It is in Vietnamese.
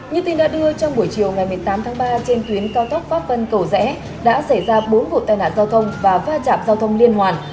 như tin đã đưa trong buổi chiều ngày một mươi tám tháng ba trên tuyến cao tốc pháp vân cầu rẽ đã xảy ra bốn vụ tai nạn giao thông và va chạm giao thông liên hoàn